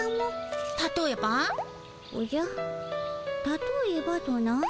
たとえばとな。